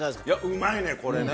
うまいね、これね。